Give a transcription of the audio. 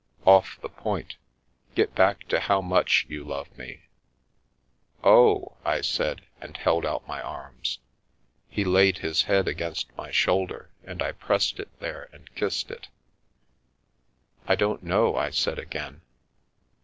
" Off the point. Get back to how much you love me. " Oh !" I said, and held out my arms. He laid his head against my shoulder, and I pressed it there and kissed it. " I don't know," I said again.